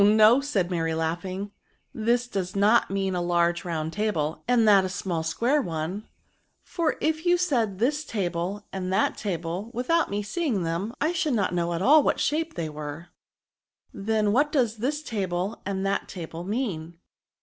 no,'' said Mary, laughing ;this does not mean a large round table, and that a small square one ; for if you said this table and that table, without my seeing them, I should not know at all of what shape they were." *^ Then, what does this table and that table mean